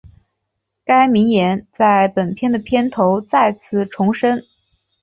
该名言在本片的片头再次重申。